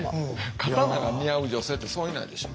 刀が似合う女性ってそういないでしょ。